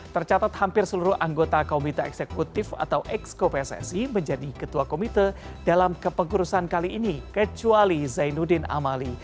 tercatat hampir seluruh anggota komite eksekutif atau exco pssi menjadi ketua komite dalam kepengurusan kali ini kecuali zainuddin amali